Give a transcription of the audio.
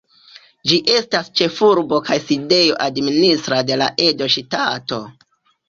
Ĝi estas ĉefurbo kaj sidejo administra de la Edo Ŝtato.